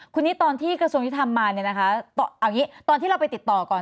คุณนี่ตอนที่กระทรวงที่ทำมาตอนที่เราไปติดต่อก่อน